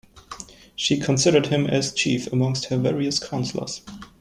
She considered him as chief amongst her various counselors.